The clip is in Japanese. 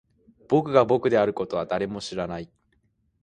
僕が僕であることは誰も知らない